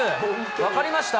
分かりました？